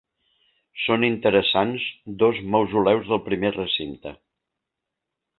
Són interessants dos mausoleus del primer recinte.